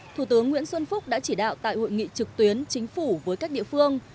thủ tướng nguyễn xuân phúc đã chỉ đạo tại hội nghị trực tuyến chính phủ với các địa phương